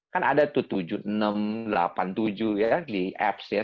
kan ada tuh tujuh enam delapan tujuh ya di apps ya